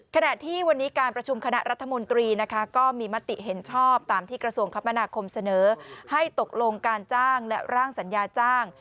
ขณะที่วันนี้การประชุมคณะรัฐมนตรีนะคะก็มีมติเห็นชอบตามที่กระทรวงคมนาคมเสนอให้ตกลงการจ้างและร่างสัญญาจ้าง